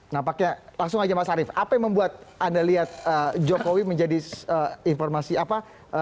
nampaknya langsung aja mas arief apa yang membuat anda lihat jokowi menjadi informasi apa